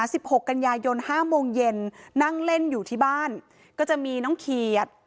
หกกันยายนห้าโมงเย็นนั่งเล่นอยู่ที่บ้านก็จะมีน้องเขียด